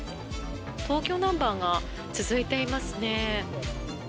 東京ナンバーが続いていますね。